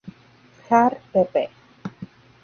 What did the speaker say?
Jahr, pp.